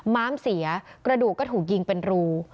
ม้ามเสียกระดูกก็ถูกยิงเป็นรู